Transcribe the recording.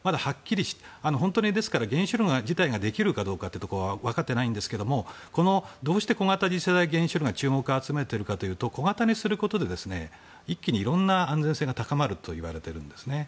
ですから原子炉自体ができるかどうかは分かっていないんですがこのどうして小型次世代原子炉が注目を集めているかというと小型にすることで一気にいろんな安全性が高まるといわれているんですね。